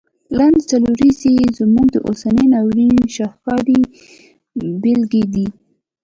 لاندي څلوریځي یې زموږ د اوسني ناورین شاهکاري بیلګي دي.